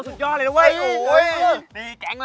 สุดยอดเลยนะเว้ยดีจังเหรอ